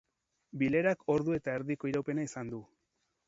Bilerak ordu eta erdiko iraupena izan du.